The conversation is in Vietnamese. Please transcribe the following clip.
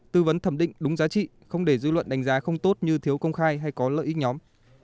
tư vấn thẩm định đúng giá trị không để dư luận đánh giá không tốt như thiếu công khai hay có lợi ích nhóm